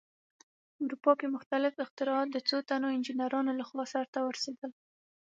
په اروپا کې مختلف اختراعات د څو تنو انجینرانو لخوا سرته ورسېدل.